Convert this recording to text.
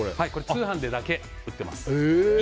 通販でだけ売っています。